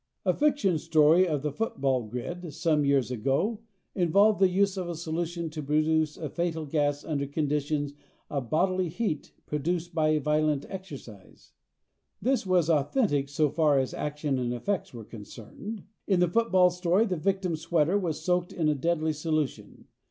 A fiction story of the football grid, some years ago, involved the use of a solution to produce a fatal gas under conditions of bodily heat produced by violent exercise. This was authentic so far as action and effects were concerned. In the football story the victim's sweater was soaked in a deadly solution.